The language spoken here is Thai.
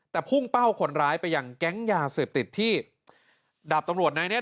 แต่พุ่งเป้าคนร้ายไปยังแก๊งยาเสพติดที่ดาบตำรวจนายเนี้ย